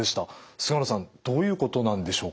菅野さんどういうことなんでしょうか。